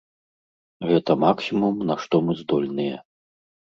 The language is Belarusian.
Гэта максімум, на што мы здольныя.